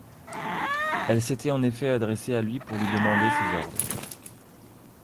Elle s'était en effet adressée à lui pour lui demander ses ordres.